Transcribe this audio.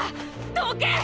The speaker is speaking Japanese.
どけ！